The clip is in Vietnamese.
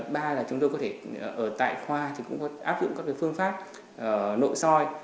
ba là chúng tôi có thể ở tại khoa thì cũng có áp dụng các phương pháp nội soi